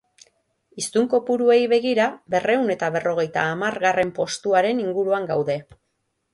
Hiztun kopuruei begira, berrehun eta berrogeita hamargarren postuaren inguruan gaude.